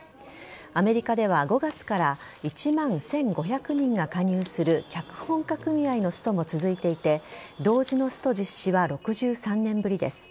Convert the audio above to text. アメリカでは５月から１万１５００人が加入する脚本家組合のストも続いていて同時のスト実施は６３年ぶりです。